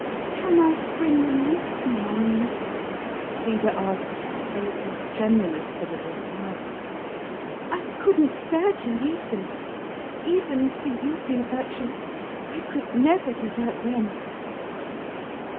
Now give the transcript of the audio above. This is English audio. "Can I bring them with me, I mean?" Frida asked, a little tremulous for the reply. "I couldn't bear to leave them. Even for you, dear Bertram, I could never desert them."